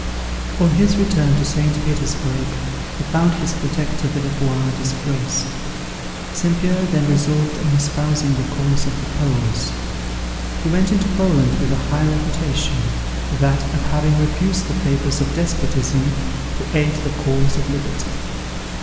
On his return to St. Petersburg, he found his protector Villebois, disgraced. St. Pierre then resolved on espousing the cause of the Poles. He went into Poland with a high reputation, that of having refused the favours of despotism, to aid the cause of liberty.